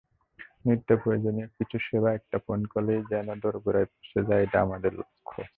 নিত্যপ্রয়োজনীয় কিছু সেবা একটি ফোনকলেই যেন দোরগোড়ায় পৌঁছে যায়, এটাই আমাদের লক্ষ্য।